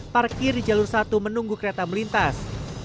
parkir di jalur satu menunggu kereta melintas